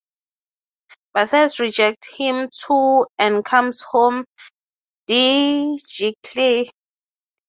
Bassett rejects him too and he comes home dejectedly.